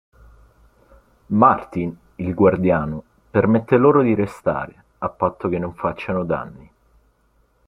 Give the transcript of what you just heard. Martin, il guardiano, permette loro di restare a patto che non facciano danni.